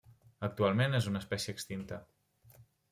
Actualment és una espècie extinta.